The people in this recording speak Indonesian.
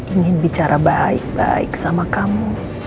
ingin bicara baik baik sama kamu